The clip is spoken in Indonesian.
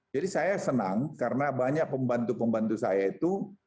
jadi saya senang karena banyak pembantu pembantu saya itu